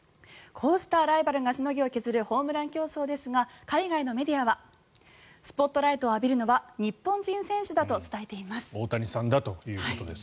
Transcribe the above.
こうしたライバルがしのぎを削るホームラン競争ですが海外のメディアはスポットライトを浴びるのは日本人選手だと伝えています。